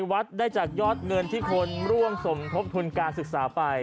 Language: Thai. วัดได้จากยอดเงินที่คนร่วมสมทบทุนการศึกษาไป